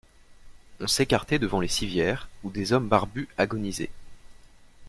On s'écartait devant les civières où des hommes barbus agonisaient.